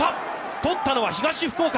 とったのは東福岡。